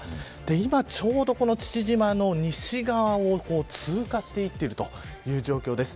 今ちょうどこの父島の西側を通過していっているという状況です。